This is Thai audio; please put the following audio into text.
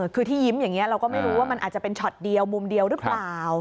คือที่ยิ้มอย่างนี้เราก็ไม่รู้ว่ามันอาจจะเป็นช็อตเดียวมุมเดียวหรือเปล่า